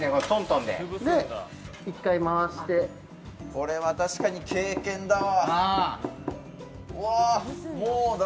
これは、確かに経験だわ。